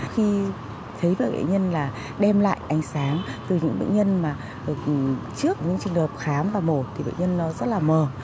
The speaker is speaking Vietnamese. khi thấy bệnh nhân đem lại ánh sáng từ những bệnh nhân trước những trường hợp khám và mổ thì bệnh nhân rất là mờ